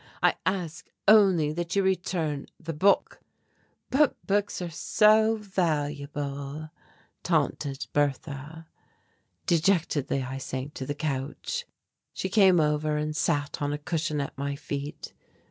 I ask only that you return the book." "But books are so valuable," taunted Bertha. Dejectedly I sank to the couch. She came over and sat on a cushion at my feet.